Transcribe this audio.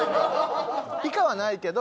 以下はないけど。